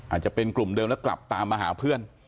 อาจจะเป็นกลุ่มเดิมแล้วกลับตามมาหาเพื่อน